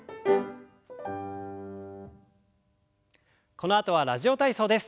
このあとは「ラジオ体操」です。